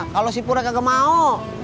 kalau sipurnya gak mau